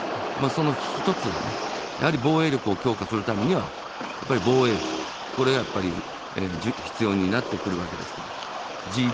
その１つは、防衛力を強化するためには防衛費、これがやっぱり必要になってくるわけですから。